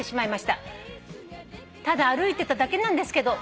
「ただ歩いてただけなんですけど」